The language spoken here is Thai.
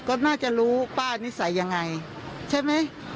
ก็น่าจะรู้ป้านิสัยยังไงใช่ไหม